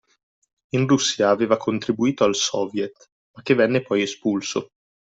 In Russia aveva contribuito al soviet ma che venne poi espulso